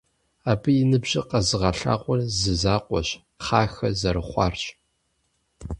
Абы и ныбжьыр къэзыгъэлъагъуэр зы закъуэщ: кхъахэ зэрыхъуарщ.